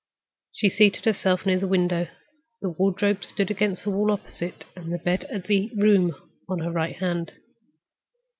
She seated herself near the window. The wardrobe stood against the wall opposite, and the bed was at the side of the room on her right hand.